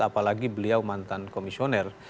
apalagi beliau mantan komisioner